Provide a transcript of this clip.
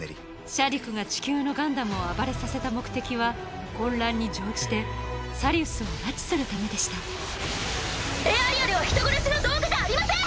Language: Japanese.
シャディクが地球のガンダムを暴れさせた目的は混乱に乗じてサリウスを拉致するためでしたエアリアルは人殺しの道具じゃありません！